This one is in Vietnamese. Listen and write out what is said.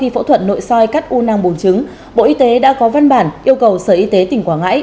phẫu thuật nội soi cắt u nang bùn trứng bộ y tế đã có văn bản yêu cầu sở y tế tỉnh quảng ngãi